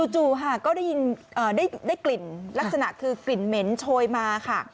จู่ค่ะก็ได้กลิ่นลักษณะคือกลิ่นเหม็นโชยมาค่ะ